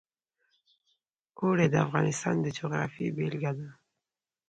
اوړي د افغانستان د جغرافیې بېلګه ده.